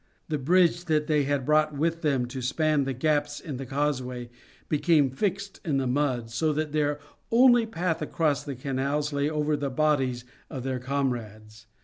The bridge that they had brought with them to span the gaps in the causeway became fixed in the mud, so that their only path across the canals lay over the bodies of their comrades.